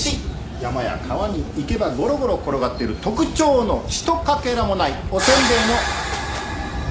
山や川に行けばゴロゴロ転がってる特徴のひとかけらもないおせんべいのかけらのような石。